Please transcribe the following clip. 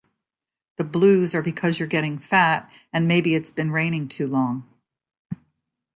The blues are because you're getting fat, and maybe it's been raining too long.